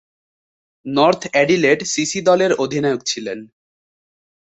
North Adelaide CC দলের অধিনায়ক ছিলেন।